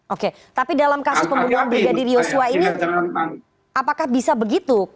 oke tapi dalam kasus pembunuhan brigadir yosua ini apakah bisa begitu